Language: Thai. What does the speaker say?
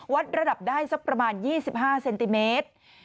วัดระดับได้สักประมาณ๒๕เซนติเมตร